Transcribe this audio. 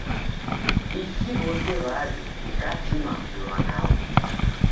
Isi w'ose w'aw' dikatima kulwa nao.